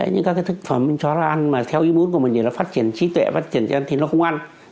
những các thức phẩm mình cho nó ăn mà theo ý muốn của mình là phát triển trí tuệ phát triển chân thì nó không ăn